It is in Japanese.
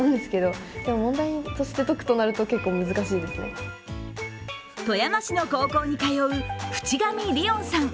更に富山市の高校に通う淵上理音さん